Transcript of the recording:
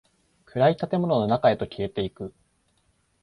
暗い建物の中へと消えていく。